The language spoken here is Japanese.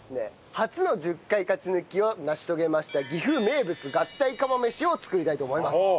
初の１０回勝ち抜きを成し遂げました岐阜名物合体釜飯を作りたいと思います。